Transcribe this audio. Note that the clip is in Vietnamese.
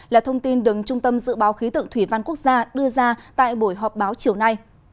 là thông tin đứng trung tâm dự báo khí tượng thủy văn quốc gia đưa ra tại buổi họp báo chiều nay